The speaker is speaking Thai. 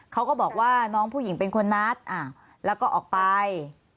เขาก็บอกว่าน้องผู้หญิงเป็นคนนัดแล้วก็ออกไป